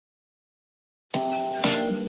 狂欢节一直延续到玫瑰星期一结束。